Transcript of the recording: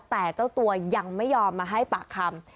แต่เจ้าตัวยังไม่ยอมมาให้ปากคำ